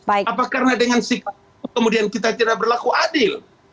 apa karena dengan sikap itu kemudian kita tidak berlaku adil